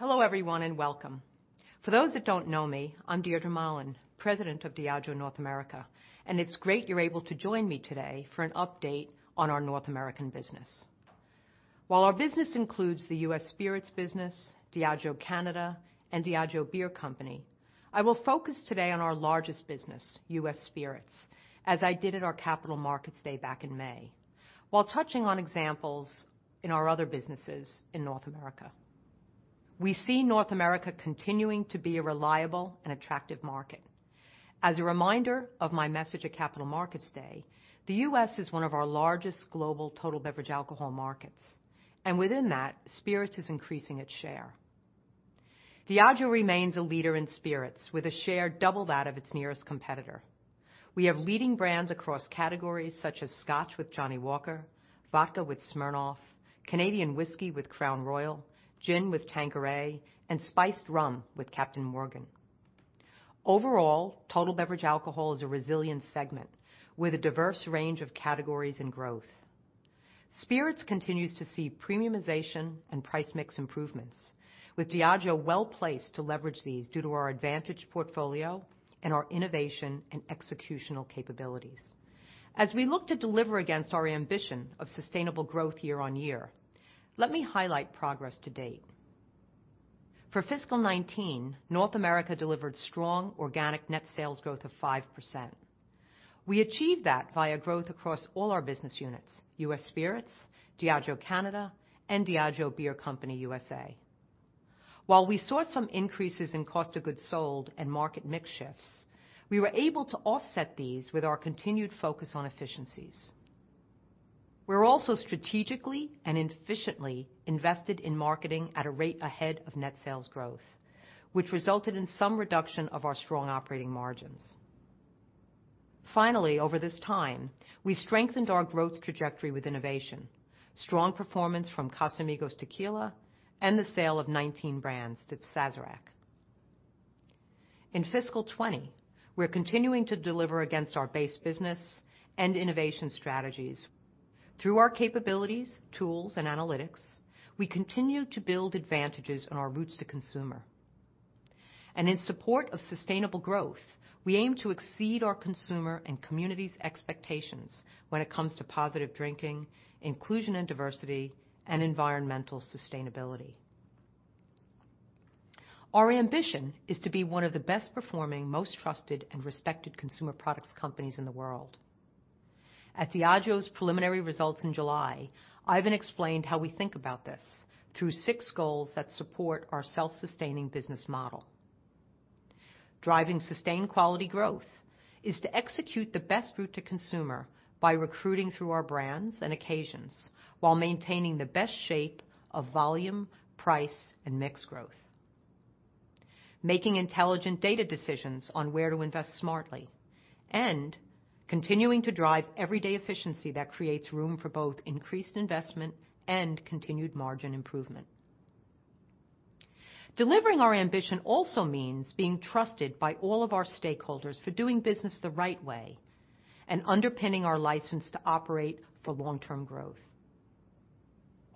Hello everyone, and welcome. For those that don't know me, I'm Deirdre Mahlan, president of Diageo North America, and it's great you're able to join me today for an update on our North American business. While our business includes the US Spirits business, Diageo Canada, and Diageo Beer Company, I will focus today on our largest business, US Spirits, as I did at our Capital Markets Day back in May, while touching on examples in our other businesses in North America. We see North America continuing to be a reliable and attractive market. As a reminder of my message at Capital Markets Day, the U.S. is one of our largest global total beverage alcohol markets, and within that, Spirits is increasing its share. Diageo remains a leader in Spirits with a share double that of its nearest competitor. We have leading brands across categories such as Scotch with Johnnie Walker, vodka with Smirnoff, Canadian whiskey with Crown Royal, gin with Tanqueray, and spiced rum with Captain Morgan. Overall, total beverage alcohol is a resilient segment with a diverse range of categories and growth. Spirits continues to see premiumisation and price mix improvements with Diageo well-placed to leverage these due to our advantaged portfolio and our innovation and executional capabilities. As we look to deliver against our ambition of sustainable growth year-on-year, let me highlight progress to date. For FY 2019, North America delivered strong organic net sales growth of 5%. We achieved that via growth across all our business units, US Spirits, Diageo Canada, and Diageo Beer Company USA. While we saw some increases in cost of goods sold and market mix shifts, we were able to offset these with our continued focus on efficiencies. We're also strategically and efficiently invested in marketing at a rate ahead of net sales growth, which resulted in some reduction of our strong operating margins. Over this time, we strengthened our growth trajectory with innovation, strong performance from Casamigos Tequila, and the sale of 19 brands to Sazerac. In fiscal 2020, we're continuing to deliver against our base business and innovation strategies. Through our capabilities, tools, and analytics, we continue to build advantages in our routes to consumer. In support of sustainable growth, we aim to exceed our consumer and community's expectations when it comes to positive drinking, inclusion and diversity, and environmental sustainability. Our ambition is to be one of the best performing, most trusted, and respected consumer products companies in the world. At Diageo's preliminary results in July, Ivan explained how we think about this through six goals that support our self-sustaining business model. Driving sustained quality growth is to execute the best route to consumer by recruiting through our brands and occasions while maintaining the best shape of volume, price, and mix growth. Making intelligent data decisions on where to invest smartly and continuing to drive everyday efficiency that creates room for both increased investment and continued margin improvement. Delivering our ambition also means being trusted by all of our stakeholders for doing business the right way and underpinning our license to operate for long-term growth.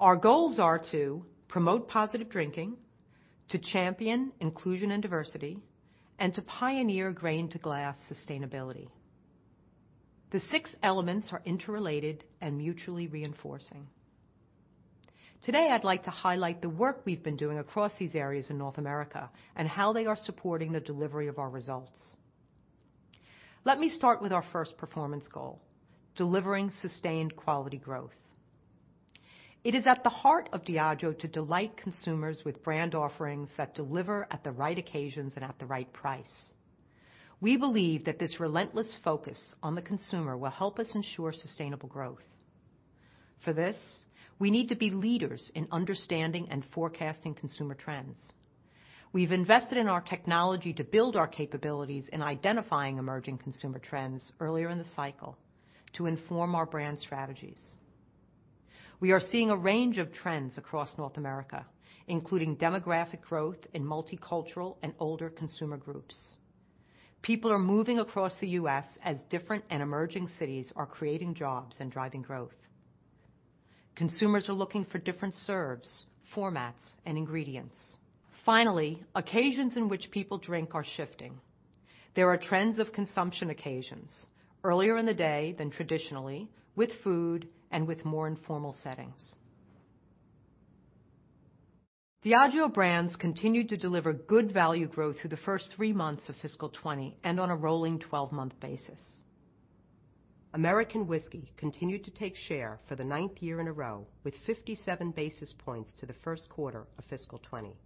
Our goals are to promote positive drinking, to champion inclusion and diversity, and to pioneer grain-to-glass sustainability. The six elements are interrelated and mutually reinforcing. Today, I'd like to highlight the work we've been doing across these areas in North America and how they are supporting the delivery of our results. Let me start with our first performance goal, delivering sustained quality growth. It is at the heart of Diageo to delight consumers with brand offerings that deliver at the right occasions and at the right price. We believe that this relentless focus on the consumer will help us ensure sustainable growth. For this, we need to be leaders in understanding and forecasting consumer trends. We've invested in our technology to build our capabilities in identifying emerging consumer trends earlier in the cycle to inform our brand strategies. We are seeing a range of trends across North America, including demographic growth in multicultural and older consumer groups. People are moving across the U.S. as different and emerging cities are creating jobs and driving growth. Consumers are looking for different serves, formats, and ingredients. Finally, occasions in which people drink are shifting. There are trends of consumption occasions earlier in the day than traditionally with food and with more informal settings. Diageo brands continued to deliver good value growth through the first three months of fiscal 2020 and on a rolling 12-month basis. American whiskey continued to take share for the ninth year in a row with 57 basis points to the first quarter of fiscal 2020.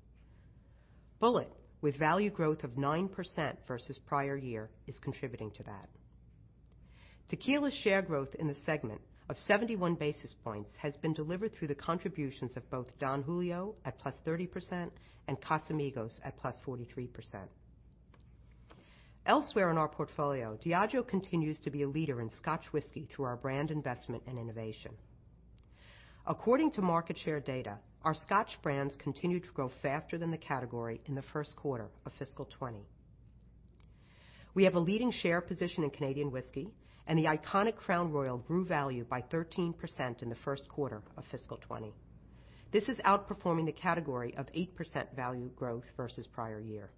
Bulleit, with value growth of 9% versus prior year, is contributing to that. Tequila share growth in the segment of 71 basis points has been delivered through the contributions of both Don Julio at +30% and Casamigos at +43%. Elsewhere in our portfolio, Diageo continues to be a leader in Scotch whiskey through our brand investment and innovation. According to market share data, our Scotch brands continued to grow faster than the category in the first quarter of fiscal 2020. The iconic Crown Royal grew value by 13% in the first quarter of fiscal 2020. This is outperforming the category of 8% value growth versus prior year.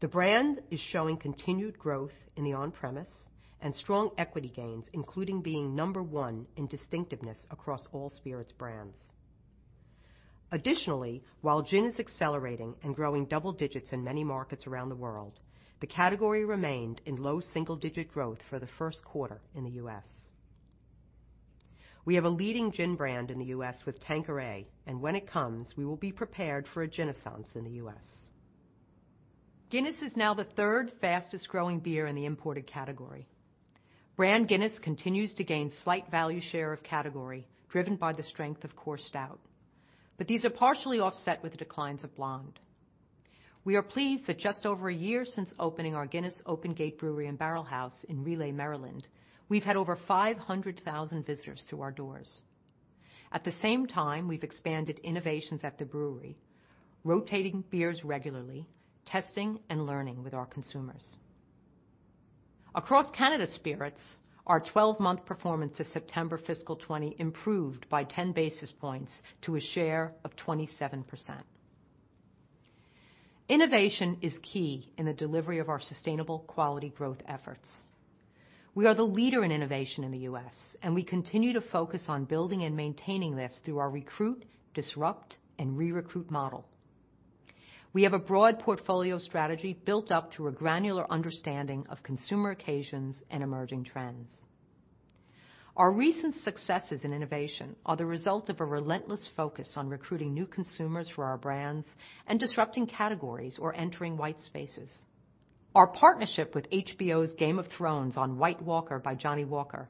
The brand is showing continued growth in the on-premise and strong equity gains, including being number 1 in distinctiveness across all spirits brands. Additionally, while gin is accelerating and growing double digits in many markets around the world, the category remained in low single-digit growth for the first quarter in the U.S. We have a leading gin brand in the U.S. with Tanqueray, and when it comes, we will be prepared for a gin-naissance in the U.S. Guinness is now the third fastest-growing beer in the imported category. Brand Guinness continues to gain slight value share of category, driven by the strength of Coors Stout. These are partially offset with the declines of Guinness Blonde. We are pleased that just over a year since opening our Guinness Open Gate Brewery and Barrel House in Relay, Maryland, we've had over 500,000 visitors through our doors. At the same time, we've expanded innovations at the brewery, rotating beers regularly, testing, and learning with our consumers. Across Canada spirits, our 12-month performance to September fiscal 2020 improved by 10 basis points to a share of 27%. Innovation is key in the delivery of our sustainable quality growth efforts. We are the leader in innovation in the U.S., and we continue to focus on building and maintaining this through our recruit, disrupt, and re-recruit model. We have a broad portfolio strategy built up through a granular understanding of consumer occasions and emerging trends. Our recent successes in innovation are the result of a relentless focus on recruiting new consumers for our brands and disrupting categories or entering white spaces. Our partnership with HBO's "Game of Thrones" on White Walker by Johnnie Walker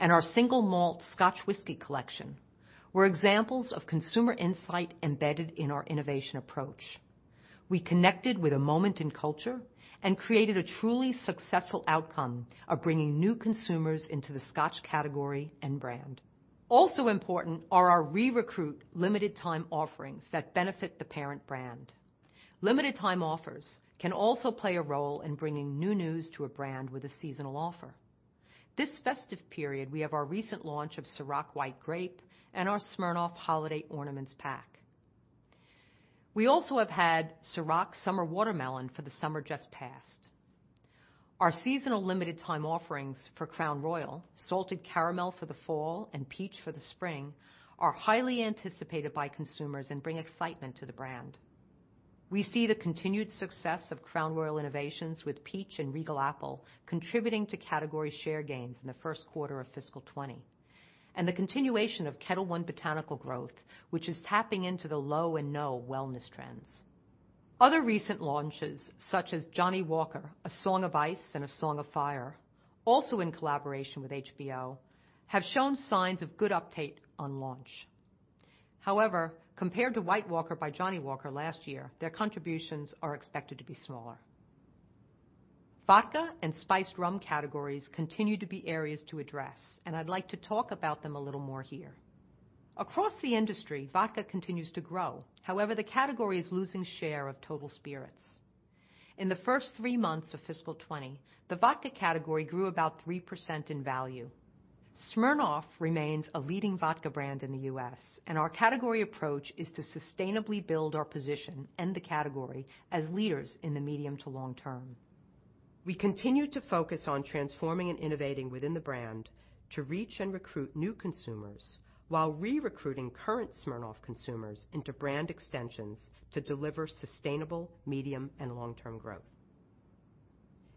and our Single Malt Scotch Whisky Collection were examples of consumer insight embedded in our innovation approach. We connected with a moment in culture and created a truly successful outcome of bringing new consumers into the Scotch category and brand. Also important are our re-recruit limited time offerings that benefit the parent brand. Limited time offers can also play a role in bringing new news to a brand with a seasonal offer. This festive period, we have our recent launch of Cîroc White Grape and our Smirnoff Holiday Ornaments pack. We also have had Cîroc Summer Watermelon for the summer just passed. Our seasonal limited time offerings for Crown Royal Salted Caramel for the fall and Peach for the spring, are highly anticipated by consumers and bring excitement to the brand. We see the continued success of Crown Royal innovations with Peach and Regal Apple contributing to category share gains in the first quarter of fiscal 2020, and the continuation of Ketel One Botanical growth, which is tapping into the low and no wellness trends. Other recent launches, such as Johnnie Walker, A Song of Ice and A Song of Fire, also in collaboration with HBO, have shown signs of good uptake on launch. However, compared to White Walker by Johnnie Walker last year, their contributions are expected to be smaller. Vodka and spiced rum categories continue to be areas to address, and I'd like to talk about them a little more here. Across the industry, vodka continues to grow. The category is losing share of total spirits. In the first three months of fiscal 2020, the vodka category grew about 3% in value. Smirnoff remains a leading vodka brand in the U.S., and our category approach is to sustainably build our position and the category as leaders in the medium to long term. We continue to focus on transforming and innovating within the brand to reach and recruit new consumers while re-recruiting current Smirnoff consumers into brand extensions to deliver sustainable medium and long-term growth.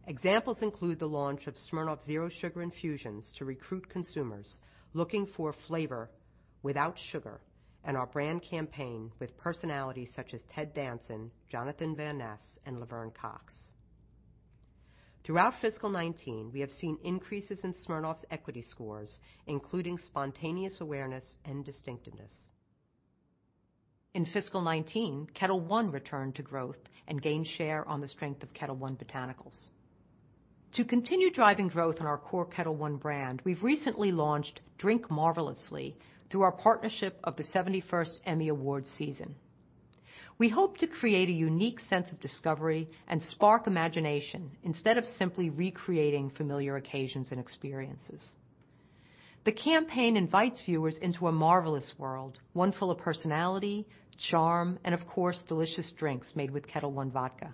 Examples include the launch of Smirnoff Zero Sugar Infusions to recruit consumers looking for flavor without sugar and our brand campaign with personalities such as Ted Danson, Jonathan Van Ness, and Laverne Cox. Throughout fiscal 2019, we have seen increases in Smirnoff's equity scores, including spontaneous awareness and distinctiveness. In fiscal 2019, Ketel One returned to growth and gained share on the strength of Ketel One Botanical. To continue driving growth in our core Ketel One brand, we've recently launched Drink Marvelously through our partnership of the 71st Emmy Awards season. We hope to create a unique sense of discovery and spark imagination instead of simply recreating familiar occasions and experiences. The campaign invites viewers into a marvelous world, one full of personality, charm, and of course, delicious drinks made with Ketel One Vodka.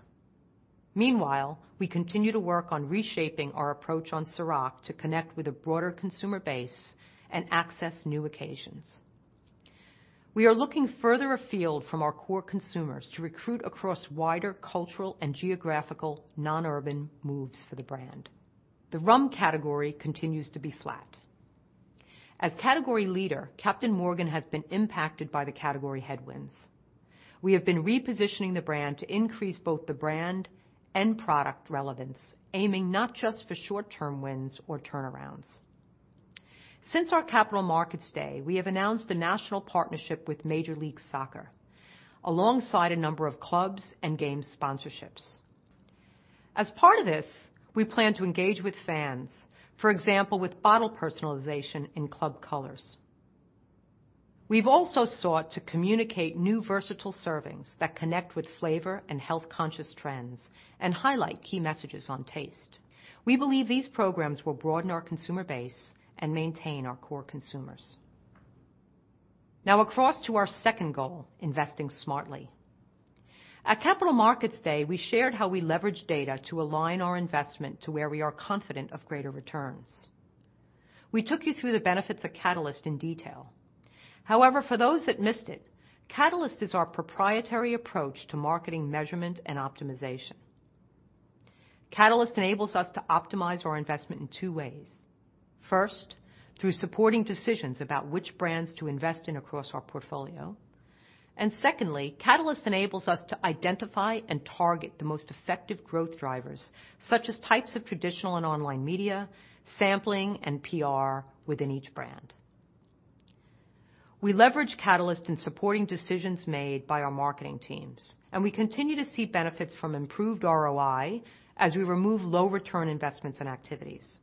Meanwhile, we continue to work on reshaping our approach on Cîroc to connect with a broader consumer base and access new occasions. We are looking further afield from our core consumers to recruit across wider cultural and geographical non-urban moves for the brand. The rum category continues to be flat. As category leader, Captain Morgan has been impacted by the category headwinds. We have been repositioning the brand to increase both the brand and product relevance, aiming not just for short-term wins or turnarounds. Since our Capital Markets Day, we have announced a national partnership with Major League Soccer, alongside a number of clubs and game sponsorships. As part of this, we plan to engage with fans, for example, with bottle personalization in club colors. We've also sought to communicate new versatile servings that connect with flavor and health-conscious trends and highlight key messages on taste. We believe these programs will broaden our consumer base and maintain our core consumers. Across to our second goal, investing smartly. At Capital Markets Day, we shared how we leverage data to align our investment to where we are confident of greater returns. We took you through the benefits of Catalyst in detail. However, for those that missed it, Catalyst is our proprietary approach to marketing measurement and optimization. Catalyst enables us to optimize our investment in two ways. First, through supporting decisions about which brands to invest in across our portfolio. Secondly, Catalyst enables us to identify and target the most effective growth drivers, such as types of traditional and online media, sampling, and PR within each brand. We leverage Catalyst in supporting decisions made by our marketing teams, and we continue to see benefits from improved ROI as we remove low return investments and activities.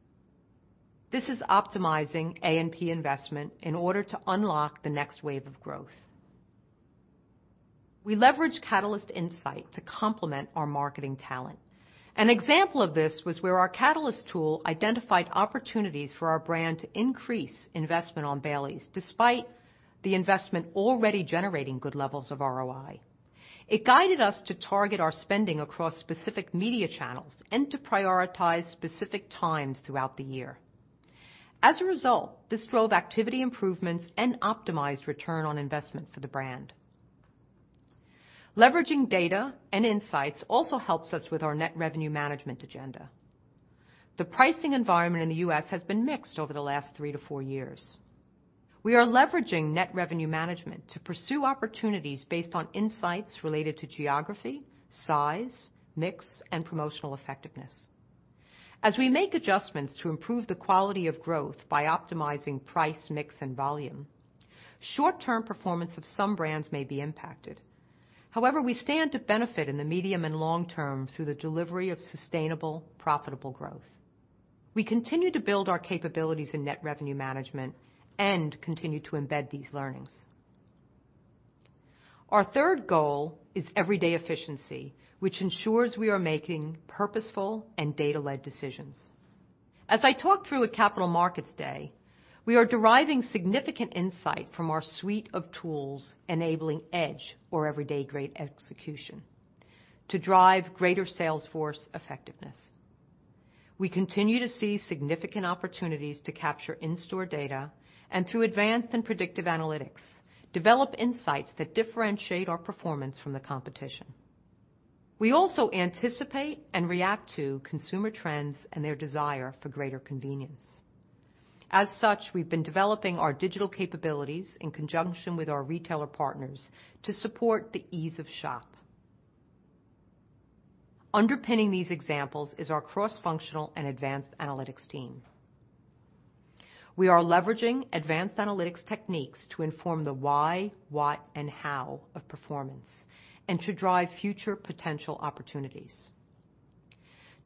This is optimizing A&P investment in order to unlock the next wave of growth. We leverage Catalyst insight to complement our marketing talent. An example of this was where our Catalyst tool identified opportunities for our brand to increase investment on Baileys, despite the investment already generating good levels of ROI. It guided us to target our spending across specific media channels and to prioritize specific times throughout the year. This drove activity improvements and optimized ROI for the brand. Leveraging data and insights also helps us with our Net Revenue Management agenda. The pricing environment in the U.S. has been mixed over the last three to four years. We are leveraging Net Revenue Management to pursue opportunities based on insights related to geography, size, mix, and promotional effectiveness. We make adjustments to improve the quality of growth by optimizing price, mix, and volume, short-term performance of some brands may be impacted. We stand to benefit in the medium and long term through the delivery of sustainable, profitable growth. We continue to build our capabilities in Net Revenue Management and continue to embed these learnings. Our third goal is everyday efficiency, which ensures we are making purposeful and data-led decisions. As I talked through at Capital Markets Day, we are deriving significant insight from our suite of tools enabling EDGE, or everyday great execution, to drive greater sales force effectiveness. We continue to see significant opportunities to capture in-store data and through advanced and predictive analytics, develop insights that differentiate our performance from the competition. We also anticipate and react to consumer trends and their desire for greater convenience. We've been developing our digital capabilities in conjunction with our retailer partners to support the ease of shop. Underpinning these examples is our cross-functional and advanced analytics team. We are leveraging advanced analytics techniques to inform the why, what, and how of performance and to drive future potential opportunities.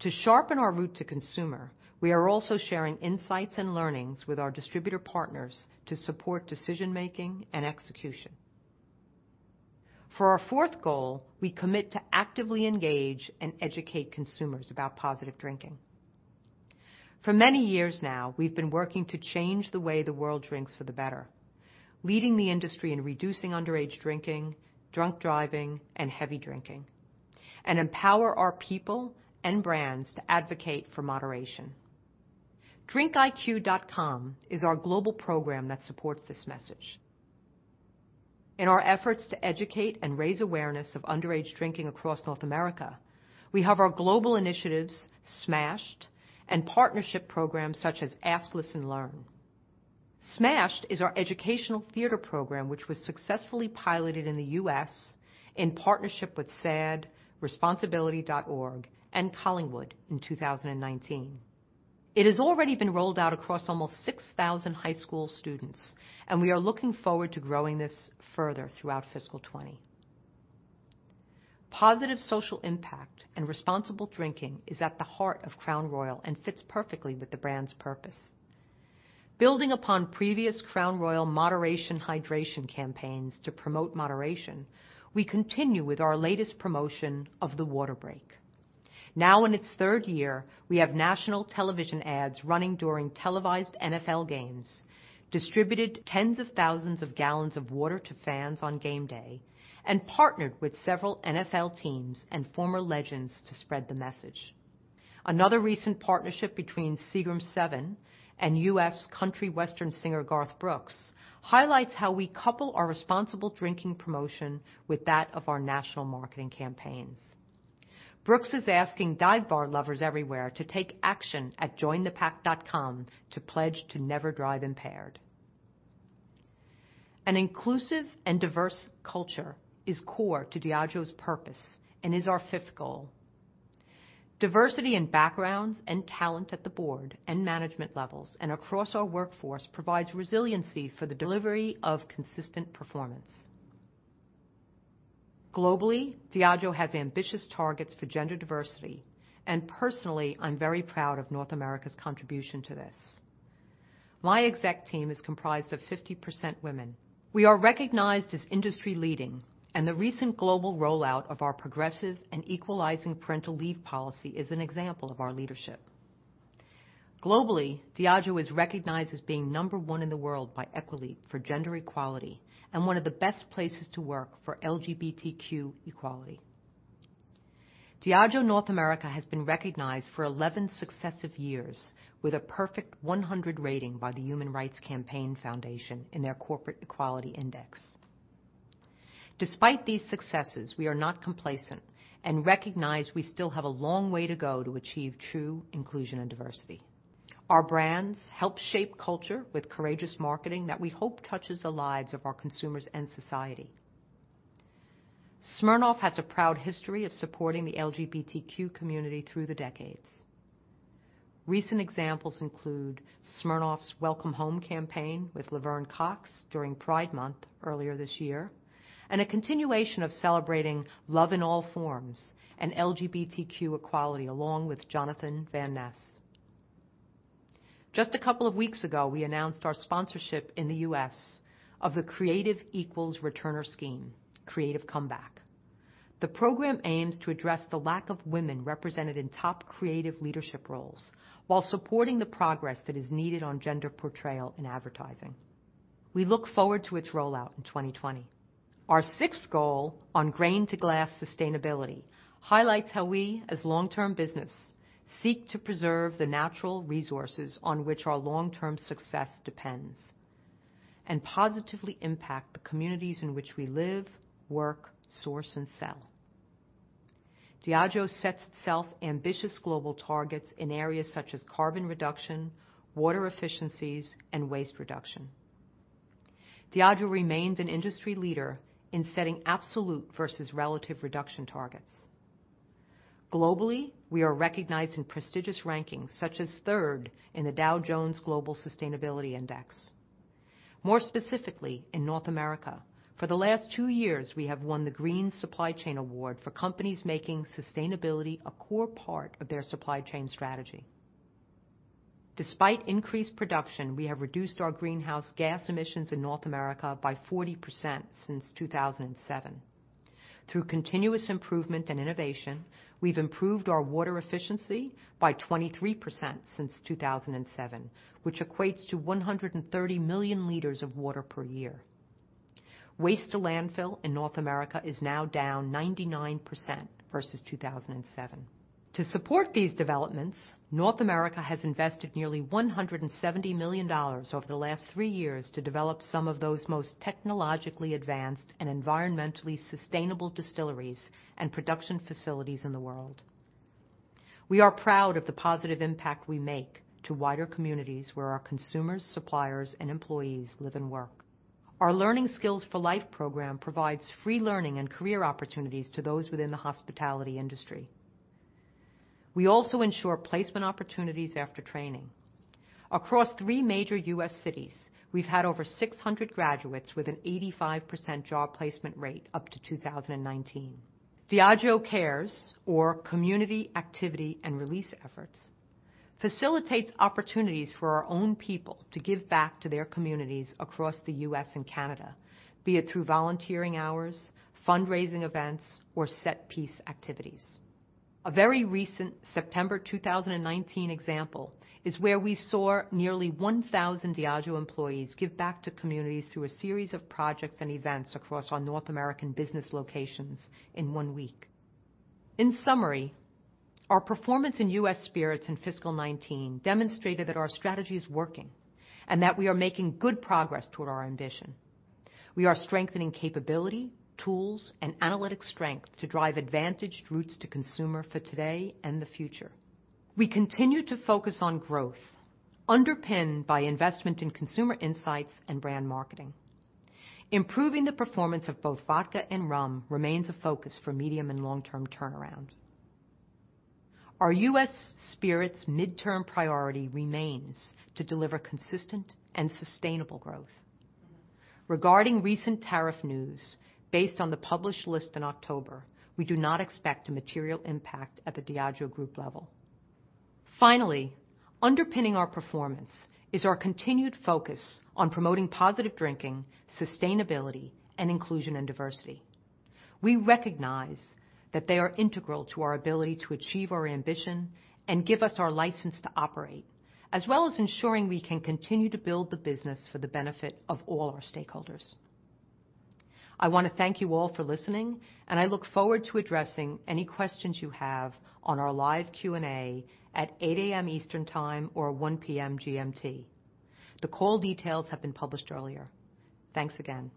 To sharpen our route to consumer, we are also sharing insights and learnings with our distributor partners to support decision making and execution. For our fourth goal, we commit to actively engage and educate consumers about positive drinking. For many years now, we've been working to change the way the world drinks for the better, leading the industry in reducing underage drinking, drunk driving, and heavy drinking, and empower our people and brands to advocate for moderation. DRINKiQ.com is our global program that supports this message. In our efforts to educate and raise awareness of underage drinking across North America, we have our global initiatives, Smashed, and partnership programs such as Ask, Listen, Learn. Smashed is our educational theater program which was successfully piloted in the U.S. in partnership with SADD, Responsibility.org, and Collingwood in 2019. It has already been rolled out across almost 6,000 high school students, and we are looking forward to growing this further throughout fiscal 2020. Positive social impact and responsible drinking is at the heart of Crown Royal and fits perfectly with the brand's purpose. Building upon previous Crown Royal moderation hydration campaigns to promote moderation, we continue with our latest promotion of the water break. Now in its third year, we have national television ads running during televised NFL games, distributed tens of thousands of gallons of water to fans on game day, and partnered with several NFL teams and former legends to spread the message. Another recent partnership between Seagram's 7 Crown and U.S. country western singer Garth Brooks highlights how we couple our responsible drinking promotion with that of our national marketing campaigns. Brooks is asking dive bar lovers everywhere to take action at JoinThePact.com to pledge to never drive impaired. An inclusive and diverse culture is core to Diageo's purpose and is our fifth goal. Diversity in backgrounds and talent at the board and management levels and across our workforce provides resiliency for the delivery of consistent performance. Globally, Diageo has ambitious targets for gender diversity, and personally, I'm very proud of North America's contribution to this. My exec team is comprised of 50% women. We are recognized as industry leading, and the recent global rollout of our progressive and equalizing parental leave policy is an example of our leadership. Globally, Diageo is recognized as being number one in the world by Equileap for gender equality and one of the best places to work for LGBTQ equality. Diageo North America has been recognized for 11 successive years with a perfect 100 rating by the Human Rights Campaign Foundation in their Corporate Equality Index. Despite these successes, we are not complacent and recognize we still have a long way to go to achieve true inclusion and diversity. Our brands help shape culture with courageous marketing that we hope touches the lives of our consumers and society. Smirnoff has a proud history of supporting the LGBTQ community through the decades. Recent examples include Smirnoff's Welcome Home campaign with Laverne Cox during Pride Month earlier this year, and a continuation of celebrating love in all forms and LGBTQ equality along with Jonathan Van Ness. Just a couple of weeks ago, we announced our sponsorship in the U.S. of the Creative Equals returner scheme, Creative Comeback. The program aims to address the lack of women represented in top creative leadership roles while supporting the progress that is needed on gender portrayal in advertising. We look forward to its rollout in 2020. Our sixth goal on grain-to-glass sustainability highlights how we, as a long-term business, seek to preserve the natural resources on which our long-term success depends and positively impact the communities in which we live, work, source, and sell. Diageo sets itself ambitious global targets in areas such as carbon reduction, water efficiencies, and waste reduction. Diageo remains an industry leader in setting absolute versus relative reduction targets. Globally, we are recognized in prestigious rankings such as third in the Dow Jones Sustainability World Index. More specifically, in North America, for the last two years, we have won the Green Supply Chain Award for companies making sustainability a core part of their supply chain strategy. Despite increased production, we have reduced our greenhouse gas emissions in North America by 40% since 2007. Through continuous improvement and innovation, we've improved our water efficiency by 23% since 2007, which equates to 130 million liters of water per year. Waste to landfill in North America is now down 99% versus 2007. To support these developments, North America has invested nearly GBP 170 million over the last three years to develop some of those most technologically advanced and environmentally sustainable distilleries and production facilities in the world. We are proud of the positive impact we make to wider communities where our consumers, suppliers, and employees live and work. Our Learning for Life program provides free learning and career opportunities to those within the hospitality industry. We also ensure placement opportunities after training. Across three major U.S. cities, we've had over 600 graduates with an 85% job placement rate up to 2019. Diageo CARES, or Community Activity and Relief Efforts, facilitates opportunities for our own people to give back to their communities across the U.S. and Canada, be it through volunteering hours, fundraising events, or set piece activities. A very recent September 2019 example is where we saw nearly 1,000 Diageo employees give back to communities through a series of projects and events across our North American business locations in one week. In summary, our performance in U.S. Spirits in fiscal 2019 demonstrated that our strategy is working and that we are making good progress toward our ambition. We are strengthening capability, tools, and analytic strength to drive advantaged routes to consumer for today and the future. We continue to focus on growth underpinned by investment in consumer insights and brand marketing. Improving the performance of both vodka and rum remains a focus for medium and long-term turnaround. Our US Spirits midterm priority remains to deliver consistent and sustainable growth. Regarding recent tariff news, based on the published list in October, we do not expect a material impact at the Diageo Group level. Underpinning our performance is our continued focus on promoting positive drinking, sustainability, and inclusion and diversity. We recognize that they are integral to our ability to achieve our ambition and give us our license to operate, as well as ensuring we can continue to build the business for the benefit of all our stakeholders. I want to thank you all for listening, and I look forward to addressing any questions you have on our live Q&A at 8:00 A.M. Eastern Time or 1:00 P.M. GMT. The call details have been published earlier. Thanks again.